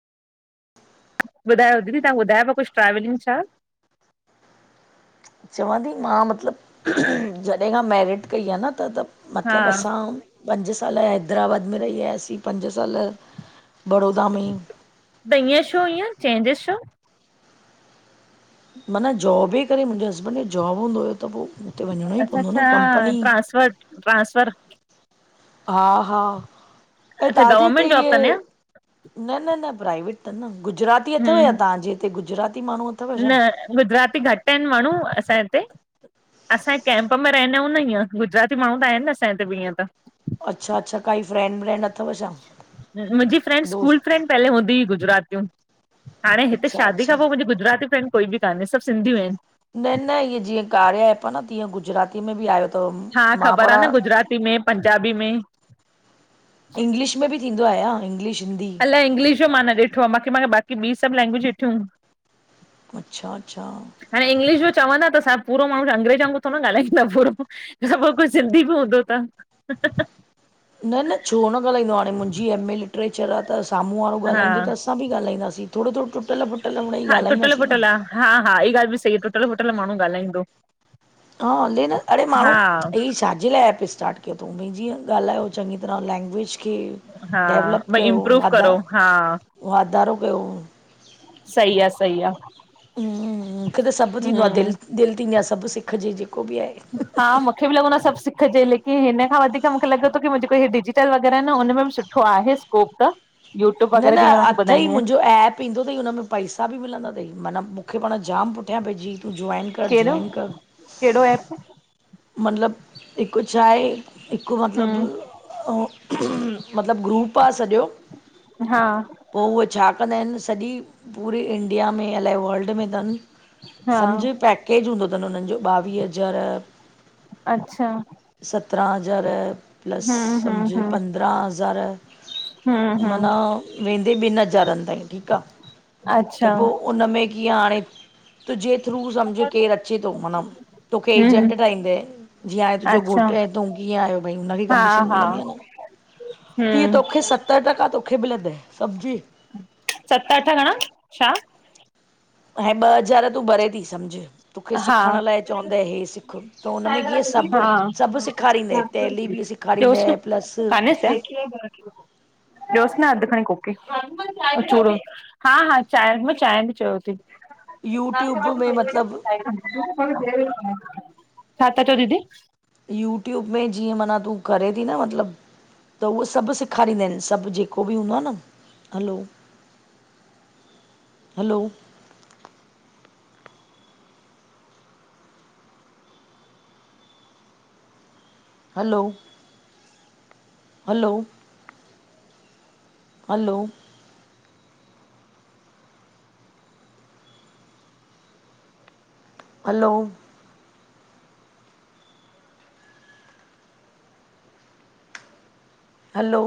ॿुधायो दीदी तहां ॿधायो पियो कुझु ट्रवलिंग छा? चवां ती मां मतिलबु जॾहिं खां मैरिट कई आ न त त हा मतिलबु असां, पंज सालु हैदराबाद में रही आयासीं पंज सालु बड़ोदा में त इयं छो इएं चेंजेस छो? मनअ जॉब वे करे मुंहिंजे हस्बैंड खे जॉब हूंदो हुयो त पो हुते वञिणो ई अच्छा पवंदो अच्छा न कंपनी ट्रांसफर ट्रांसफर? हा हा ऐं अच्छा तहांजे हिते गवर्नमेंट जॉब कंदा इय आहियो? न न न प्राइवेट तनि न। गुजराती अथव या हम्म तव्हांजे हिते गुजराती माण्हू? अथव न छा गुजराती घटि आहिनि माण्हू असां हिते। असां ए कैंप में रहंदायूं न हीअं, गुजराती माण्हू त आहिनि न असां हिते बि हीअं त। अच्छा अच्छा काई फ्रैड ब्रेंड अ मुंहिंजी फ्रेंड स्कूलु फ्रेंड पहले हूंदी ही गुजरातियूं। हाणे हिते अच्छा शादी अच्छा खां पो मुंहिंजी गुजराती फ्रैंड काई बि कान्हे, सभु सिंधियूं आहिनि। न न इएं जीअं कार्य ऐप आ न, तीअं गुजराती में बि आयो। अथव हा मां ख़बर पाण आ न गुजराती में, पंजाबी में इंग्लिश में बि थींदो आया, इंग्लिश, हिंदी? अलाए इंग्लिश जो मां न ॾिठो आ, बाक़ी मा बाक़ी ॿी सभु लैंग्वेज ॾिठियूं। अच्छा अच्छा हाणे इंगलिश‌‌ जो चवंदा त सभु पूरो माण्हू अंग्रेज वांगुर थोडो न ॻाल्हाईंदा पूरो। सभु कुझु सिंधी बि हूंदो त। न न छो न ॻाल्हाईंदो हाणे मुंहिंजी एमए लिटरेचर आ त साम्हूं वारो हा ॻाल्हाईंदो तसि अंसा बि ॻालाईंदासीं, थोडो थोडो टुटल-फुट हा टुटल-फुटल हा हा ऐ ॻाल्हि बि सही आ टुटल फुटल माण्हू ॻाल्हाईंदो। हा हले न, अड़े हा माण्हू ही छाजे लाइ ऐप स्टार्ट की तू बि जीअं ॻाल्हायो चङी तरह लेंंग्वेज। की हा डेवलप भई कयो, इम्प्रूव वाधा करो हा वाधारो कयो। सई आ सई आ। उ मूंखे त सभु थींदो आ दिल, दिल थींदी आ सभु सिखजे ॼेको बि आहे। हा मूंखे बि लॻो न सभु सिखजे, लेकिन हिन खां वधीक मूंखे लॻे तो की मुजको हे डिजिटल वग़ैरह ह न हुनमें बि सुठ ठो आहे स्कोप त यूट्यूब न वग़ैरह न जेके मां तव्हांखे अथई ॿुधाईंदी आहियां मुंहिंजो ऐप पींदो तई, हुनमें पैसा बि मिलंदा तई, माना मूंखे पाण जामु पुठियां पंहिंजीइ। ज्वाइन कर, ज्वाइन कर कैड़ो ऐप? मतिलब हिकु छा आहे, हिकु मतिलबु हम्म हो मतिलबु ग्रुप आ सॼो। हा पो उहे छा कंदा आहिन सॼी पूरी इंडिया में अलाए वल्ड में तन। हा सम्झ पैकेज हूंदो तनन उनिन जो ॿावीह हज़ार अच्छा। सत्रहं हज़ार प्लस हम्म हम्म सम्झ हम्म पंद्रहं हज़ार, हम्म हम्म माना वेंदे ॿिनि हज़ारनि ताईं ठीकु आ, अच्छा त पो उन में कीअं हाणे तुजे थ्रू सम्झ केरु अचे थो माना, तोखे हम्म एजेंट ठाहींदे। जीअं हाने तुंहिंजो अच्छा घोट त कीअं आयो त उनखे हा कमीशन हा मिलंदी न, तीअ हम्म तो खो सत टका तोखे मिलंदे समझी। सत अठ घणा, छा? ऐं ॿ हज़ार तूं भरे थी सम्झि, तोखे हा सिखण लाइ चवंदेइ हे सिख। ख त हुन हा में कीअं सभु ॾियोसि सभु सेखारींदए टैली बि न सेखारींदए प्लस कान्हे छा ॾियोसि न अधु खणी कोकी, ओ चूरो। हा हा चांहि मां चांहि बि चयो थी। यूट्यूब में मतिलबु [unintelligible] छा था चौ दीदी? यूट्यूब में जीअं माना तूं करे थी न मतिलबु त उहो सभु सेखारींदा आहिनि सभु जेको बि हूंदो आहे न, hello! Hello, hello, hello, hello, hello, हलो,